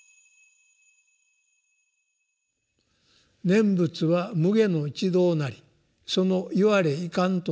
「念仏は無碍の一道なりそのいはれいかんとならば」